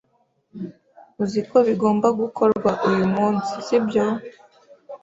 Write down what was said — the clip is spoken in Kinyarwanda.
Uzi ko bigomba gukorwa uyu munsi, sibyo?